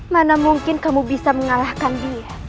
mana mungkin kamu bisa mengalahkan dia